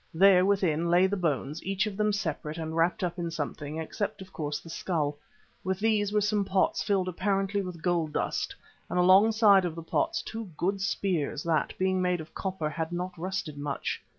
There within lay the bones, each of them separate and wrapped up in something, except of course the skull. With these were some pots filled apparently with gold dust, and alongside of the pots two good spears that, being made of copper, had not rusted much.